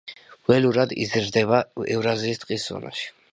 ველურად იზრდება ევრაზიის ტყის ზონაში.